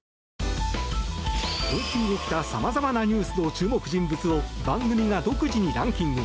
今週起きたさまざまなニュースの注目人物を番組が独自にランキング。